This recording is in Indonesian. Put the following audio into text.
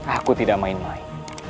aku tidak main main